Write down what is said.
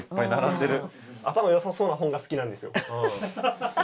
頭よさそうな本が好きなんですよ。